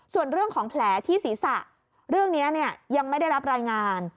ส่วนเรื่องของแผลที่ศีรษะเรื่องนี้ยังไม่ได้รับรายงาน